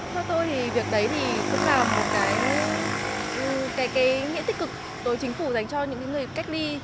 theo tôi thì việc đấy thì cũng là một cái nghĩa tích cực đối với chính phủ dành cho những người cách ly